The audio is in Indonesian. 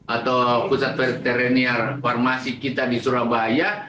atau pusat veteraniar farmasi kita di surabaya